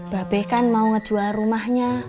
babe kan mau ngejual rumahnya